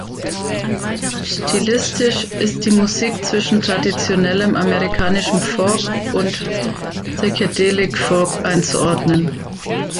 Stilistisch ist die Musik zwischen traditionellem amerikanischem Folk und Psychedelic Folk einzuordnen.